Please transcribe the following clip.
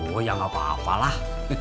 oh ya gak apa apa lah